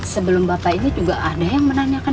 sebelum bapak ini juga ada yang menanyakan